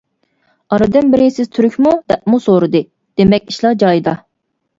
ئارىدىن بىرى «سىز تۈركمۇ؟ » دەپمۇ سورىدى، دېمەك ئىشلار جايىدا.